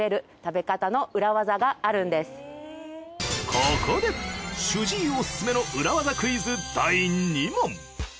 ここで主治医オススメの裏ワザクイズ第２問。